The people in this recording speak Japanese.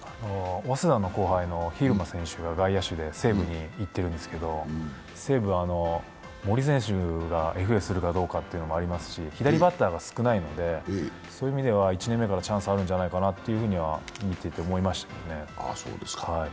早稲田の後輩の蛭間選手が外野手で西武に行ってるんですけど、西武は森選手がＦＡするかもしれませんし左バッターが少ないので、そういう意味では１年目からチャンスあるんじゃないかなと見ていて思いましたけど。